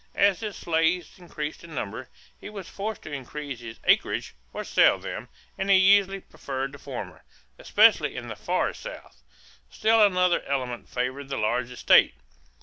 As his slaves increased in number, he was forced to increase his acreage or sell them, and he usually preferred the former, especially in the Far South. Still another element favored the large estate.